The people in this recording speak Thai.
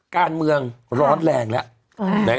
การเมืองร้อนแรงแล้ว